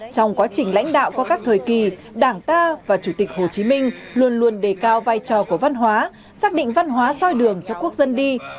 trong quá trình lãnh đạo qua các thời kỳ đảng ta và chủ tịch hồ chí minh luôn luôn đề cao vai trò của văn hóa xác định văn hóa soi đường cho quốc dân đi